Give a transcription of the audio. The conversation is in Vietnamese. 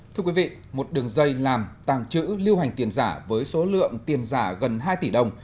thưa quý vị một đường dây làm tàng trữ lưu hành tiền giả với số lượng tiền giả gần hai tỷ đồng